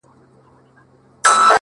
د سړیو سره خواته مقبره کی ,